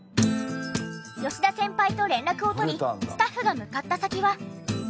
吉田先輩と連絡を取りスタッフが向かった先は。